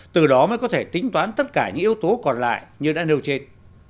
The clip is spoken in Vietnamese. từ đó mới có thể tính toán tất cả những yếu tố còn lại như đã nêu trên